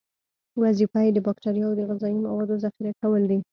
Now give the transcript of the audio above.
وظیفه یې د باکتریاوو د غذایي موادو ذخیره کول دي.